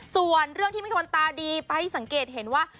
ส่วนเรื่องที่มีคนตาดีไปให้สังเกตเห็นว่า